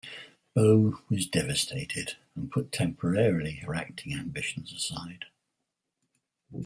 Bow was devastated and put temporarily her acting ambitions aside.